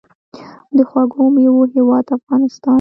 د خوږو میوو هیواد افغانستان.